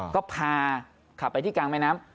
ก็พาขับไปที่กลางแม่น้ำ